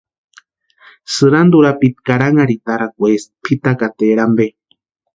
Sïranta urapiti karanharhitarakweesti pʼitakateri ampe.